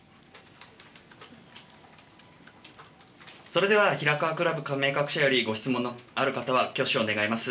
それでは平河クラブ加盟各社よりご質問のある方は挙手を願います。